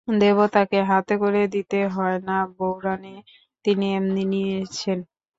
দেবতাকে হাতে করে দিতে হয় না বউরানী, তিনি এমনি নিয়েছেন।